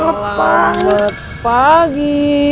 eh selamat pagi